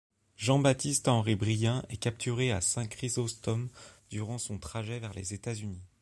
Jean-Baptiste-Henri Brien est capturé à Saint-Chrysostome durant son trajet vers les États-Unis.